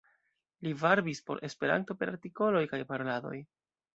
Li varbis por Esperanto per artikoloj kaj paroladoj.